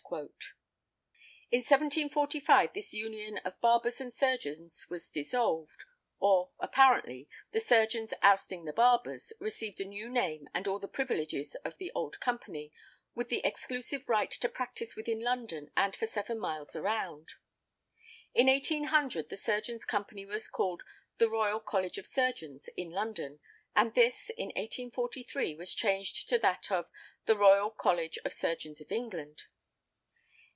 In 1745 this union of barbers and surgeons was dissolved; or, apparently, the surgeons ousting the barbers, received a new name and all the privileges of the old company, with the exclusive right to practise within London and for seven miles around. In 1800 the Surgeons' Company was called "The Royal College of Surgeons, in London;" and this, in 1843, was changed to that of "The Royal College of Surgeons of England."